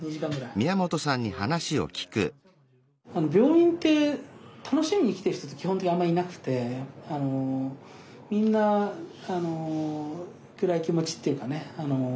病院って楽しみに来てる人って基本的あんまりいなくてみんな暗い気持ちっていうかね